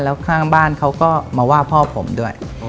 แล้วข้างบ้านเขาก็มาว่าพ่อผมด้วย